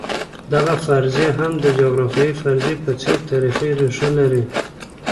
دغه فرضیه هم د جغرافیوي فرضیې په څېر تاریخي ریښه لري.